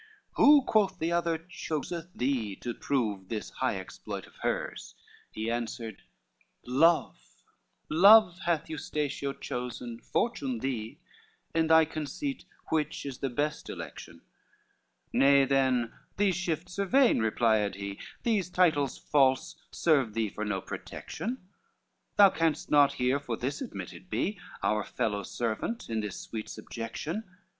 "Who," quoth the other, "choseth thee to prove This high exploit of hers?" He answered, "Love." LXXXII "Love hath Eustatio chosen, Fortune thee, In thy conceit which is the best election?" "Nay, then, these shifts are vain," replied he, "These titles false serve thee for no protection, Thou canst not here for this admitted be Our fellow servant, in this sweet subjection."